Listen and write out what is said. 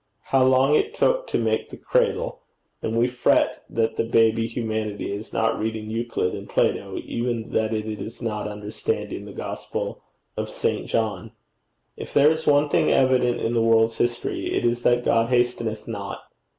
How long it took to make the cradle! and we fret that the baby Humanity is not reading Euclid and Plato, even that it is not understanding the Gospel of St. John! If there is one thing evident in the world's history, it is that God hasteneth not.